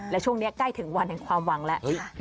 และช่วงนี้ใกล้ถึงวันแห่งความหวังแล้ว